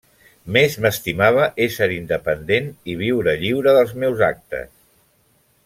Més m'estimava ésser independent i viure lliure dels meus actes.